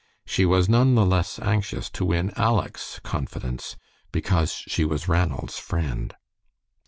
She was none the less anxious to win Aleck's confidence, because she was Ranald's friend.